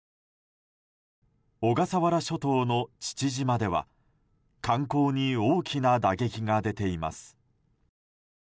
小笠原諸島の父島では観光に大きな打撃が出ています。